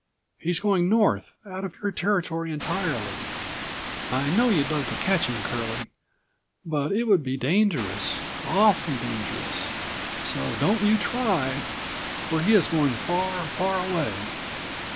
He's going north; out of your territory entirely. I know you'd love to catch him, Curlie, but it would be dangerous, awfully dangerous! So don't you try, for he is going far, far away."